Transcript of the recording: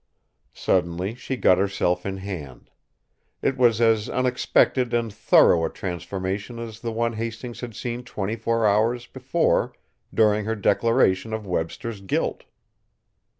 Suddenly she got herself in hand. It was as unexpected and thorough a transformation as the one Hastings had seen twenty four hours before during her declaration of Webster's guilt.